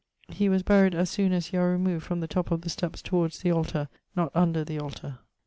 He was buryed as soon as you are removed from the top of the steps towards the altar, not under the altar.